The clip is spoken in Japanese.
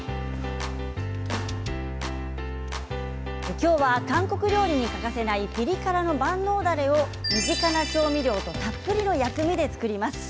今日は韓国料理に欠かせないピリ辛の万能だれを身近な調味料とたっぷりの薬味で作ります。